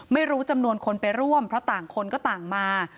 ไม่รู้จำนวนคนไปร่วมเพราะต่างคนก็ต่างมา